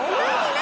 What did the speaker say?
何？